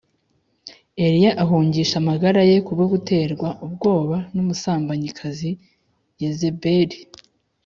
, Eliya ahungisha amagara ye kubwo guterwa ubwoba n’umusambanyikazi Yezebeli